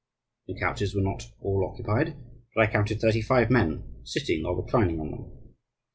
The couches were not all occupied, but I counted thirty five men sitting or reclining on them.